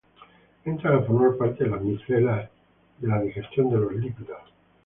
Entran a formar parte de las micelas de la digestión de los lípidos.